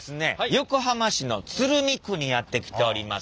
横浜市の鶴見区にやって来ております。